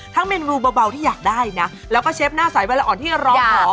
ทั้งเมนูเบาที่อยากได้นะแล้วก็เชฟหน้าสายไว้แล้วอ่อนที่จะร้องหอ